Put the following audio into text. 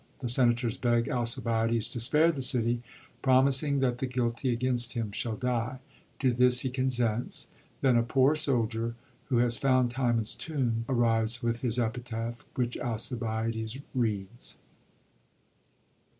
The senators beg Alcibiades to spare the city, promising that the guilty against him shall die. To this he consents. Then a poor soldier, who has found Timon's tomb, arrives with his epitaph, which Alcibiades reads.